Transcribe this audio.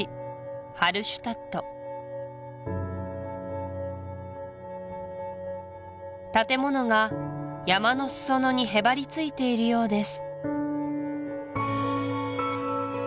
ハルシュタット建物が山の裾野にへばりついているようです